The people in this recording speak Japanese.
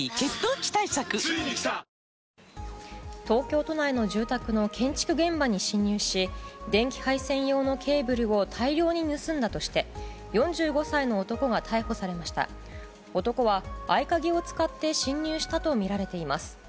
東京都内の住宅の建築現場に侵入し電気配線用のケーブルを大量に盗んだとして４５歳の男が逮捕されました。